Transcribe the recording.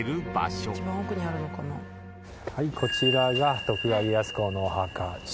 はいこちらが徳川家康公のお墓。